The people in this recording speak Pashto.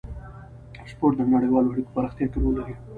سپورت د نړیوالو اړیکو په پراختیا کې رول لري.